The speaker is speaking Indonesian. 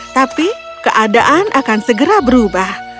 tapi keadaan akan segera berubah